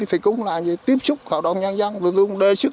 thì cũng là tiếp xúc khảo đoàn nhân dân tụi tôi cũng đề xuất